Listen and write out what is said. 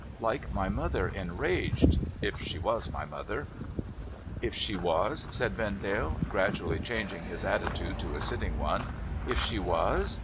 Like my mother enraged— if she was my mother.' ' If she was ?' said Vendale, gradually changing his attitude to a sitting one. ' If she was